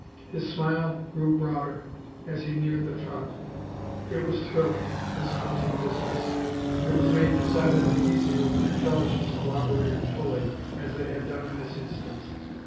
His smile grew broader as he neared the front. It was thrilling, this hunting business, and it was made decidedly easier when Intelligence cooperated fully, as they had done in this instance.